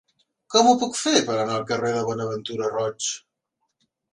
Com ho puc fer per anar al carrer de Bonaventura Roig?